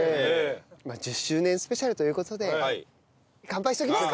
まあ１０周年スペシャルという事で乾杯しておきますか。